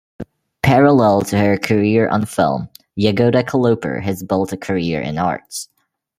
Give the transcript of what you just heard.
Parallel to her career on film, Jagoda Kaloper has built a career in arts.